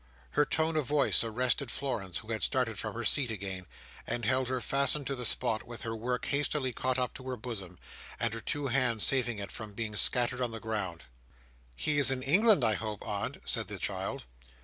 Her tone of voice arrested Florence, who had started from her seat again; and held her fastened to the spot, with her work hastily caught up to her bosom, and her two hands saving it from being scattered on the ground. "He is in England, I hope, aunt?" said the child.